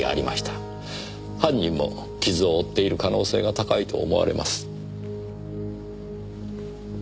犯人も傷を負っている可能性が高いと思われます。